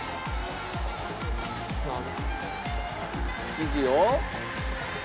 生地を。